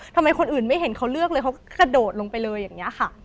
ทำไมคนอื่นไม่เห็นเขาเลือกเลยเขาก็กระโดดลงไปเลยอย่างนี้ค่ะ